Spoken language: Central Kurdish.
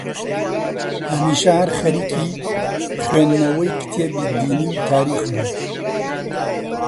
هەمیشە هەر خەریکی خوێندنەوەی کتێبی دینی و تاریخ بوو